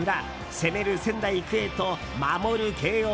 攻める仙台育英と守る慶應。